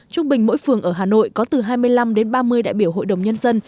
trung bình mỗi phường ở hà nội có từ hai mươi năm đến ba mươi đại biểu hội đồng nhân dân